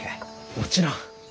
もちろん。